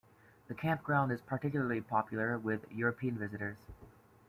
The campground is particularly popular with European visitors.